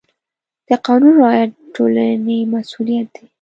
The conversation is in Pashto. د قانون رعایت د ټولنې مسؤلیت دی.